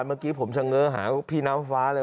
เมื่อกี้ผมเฉง้อหาพี่น้ำฟ้าเลย